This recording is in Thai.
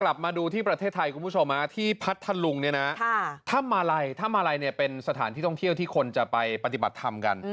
กลับมาดูที่ประเทศไทยที่พัทธรุงถ้ำมาลัยเป็นสถานที่ท่องเที่ยวที่คนจะไปปฏิบัติธรรมกัน